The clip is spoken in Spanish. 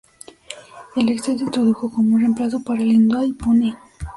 El Excel se introdujo como un reemplazo para el Hyundai Pony.